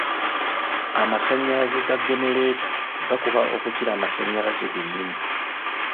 Amasannyalaze ga genereeta gakuba okukira amasannyalaze ge nnyini.